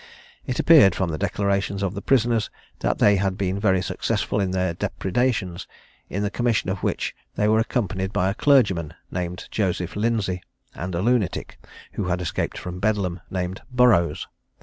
It appeared, from the declarations of the prisoners, that they had been very successful in their depredations; in the commission of which they were accompanied by a clergyman named Joseph Lindsay, and a lunatic, who had escaped from Bedlam, named Burroughs.